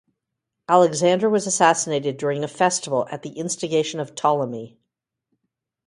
Alexander was assassinated during a festival at the instigation of Ptolemy.